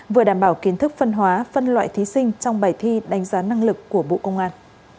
vừa đảm bảo kiến thức phân hóa phân loại thí sinh trong bài thi đánh giá năng lực của bộ công an